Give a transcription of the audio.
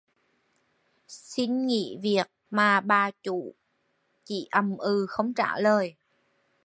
Xin nghỉ việc mà bà chủ chỉ ầm ừ không trả lời